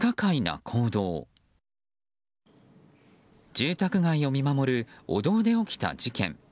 住宅街を見守るお堂で起きた事件。